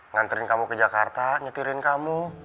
nganterin kamu ke jakarta nyetirin kamu